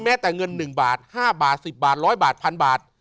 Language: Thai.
แม้แต่เงินหนึ่งบาทห้าบาทสิบบาทร้อยบาทพันบาท